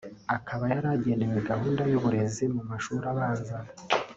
akaba yari agenewe gahunda y’uburezi mu mashuri abanza